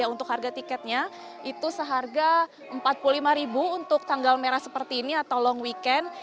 untuk harga tiketnya itu seharga rp empat puluh lima untuk tanggal merah seperti ini atau long weekend